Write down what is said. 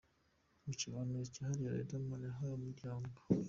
Mu kiganiro kihariye Ridermana yahaye Umuryango.